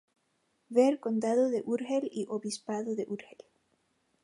Ver Condado de Urgel y Obispado de Urgel.